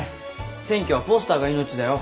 選挙はポスターが命だよ。